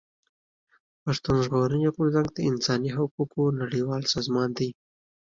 پښتون ژغورني غورځنګ د انساني حقوقو نړيوال سازمان دی.